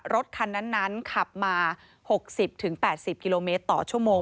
รถคันนั้นขับมา๖๐๘๐กิโลเมตรต่อชั่วโมง